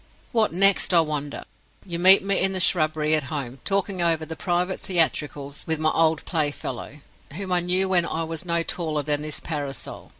"What next, I wonder? You meet me in the shrubbery at home, talking over the private theatricals with my old playfellow, whom I knew when I was no taller than this parasol.